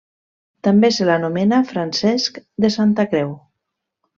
També se l'anomena Francesc de Santacreu.